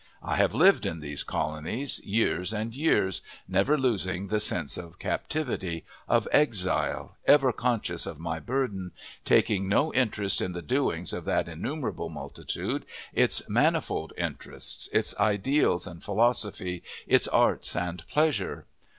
I have lived in these colonies, years and years, never losing the sense of captivity, of exile, ever conscious of my burden, taking no interest in the doings of that innumerable multitude, its manifold interests, its ideals and philosophy, its arts and pleasures.